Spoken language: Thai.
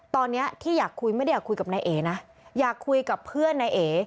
ตอนนี้ที่อยากคุยไม่ได้อยากคุยกับนายเอนะอยากคุยกับเพื่อนนายเอ๋